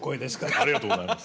ありがとうございます。